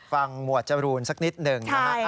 ฝั่งหมวดจรูลสักนิดหนึ่ง